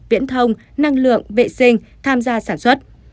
viễn thông năng lượng vệ sinh tham gia sản xuất